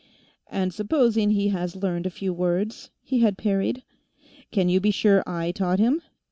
"And supposing he has learned a few words," he had parried. "Can you be sure I taught him?